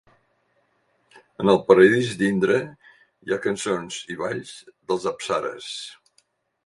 En el paradís d'Indra hi ha cançons i balls dels apsaras.